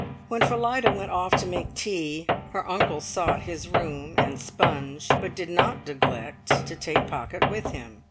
When Phillida went off to make the tea her uncle sought his room and sponge, but did not neglect to take Pocket with him.